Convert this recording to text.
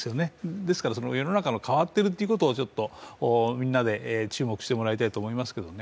ですから世の中も変わっているということをみんなで注目してもらいたいですけどね